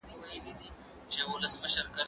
ليکنې وکړه.